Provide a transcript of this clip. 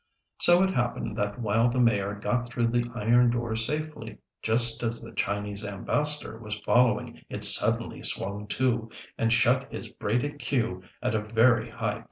So it happened that while the Mayor got through the iron door safely, just as the Chinese Ambassador was following it suddenly swung to, and shut in his braided queue at a very high point.